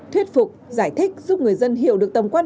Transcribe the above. thuyết phục giải thích giúp người dân hiểu được tầm quan